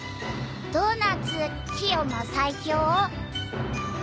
ドーナツキヨの最強？